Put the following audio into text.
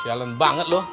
sialan banget lu